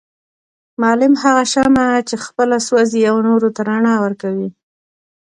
معلم هغه شمعه چي خپله سوزي او نورو ته رڼا ورکوي